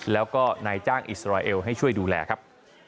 แล้วก็นายจ้างอิสราเอลให้ช่วยดูแลครับ